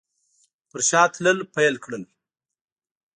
پر شا تلل پیل کړل.